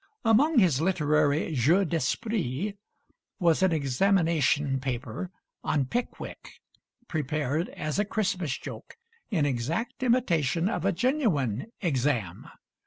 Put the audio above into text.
Among his literary jeux d'esprit was an examination paper on 'Pickwick,' prepared as a Christmas joke in exact imitation of a genuine "exam."